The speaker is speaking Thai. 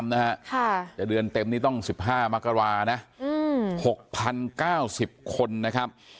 ค่ะจะเรือนเต็มนี้ต้องสิบห้ามักกระวานะอืมหกพันเก้าสิบคนนะครับ